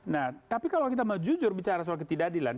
nah tapi kalau kita mau jujur bicara soal ketidakadilan